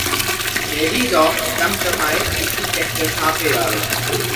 میری لؤ ٹمٹمائے اسی کہکشاں پہ یارو